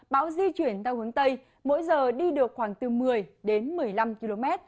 bão di chuyển theo hướng tây mỗi giờ đi được khoảng từ một mươi đến một mươi năm km